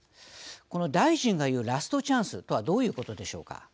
この大臣が言うラストチャンスとはどういうことでしょうか。